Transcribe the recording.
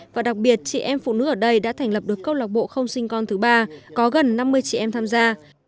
và đặc biệt chị em phụ nữ ở đây đã thành lập được câu lạc bộ không sinh con thứ ba có gần năm mươi chị em tham gia